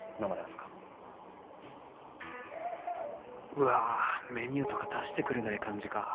うわあメニューとか出してくれない感じか。